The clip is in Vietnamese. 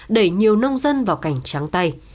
đẩy nhiều nông dân vào cảnh trắng tay